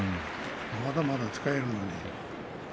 まだまだ使えるのに。